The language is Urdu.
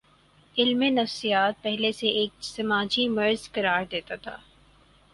علم نفسیات پہلے اسے ایک سماجی مرض قرار دیتا تھا۔